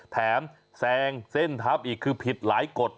แซงเส้นทับอีกคือผิดหลายกฎ